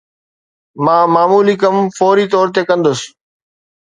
مان معمولي ڪم فوري طور تي ڪندس